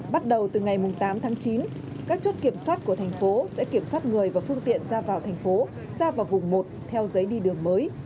bắt đầu từ ngày tám tháng chín các chốt kiểm soát của thành phố sẽ kiểm soát người và phương tiện ra vào thành phố ra vào vùng một theo giấy đi đường mới